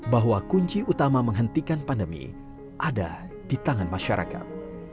bahwa kunci utama menghentikan pandemi ada di tangan masyarakat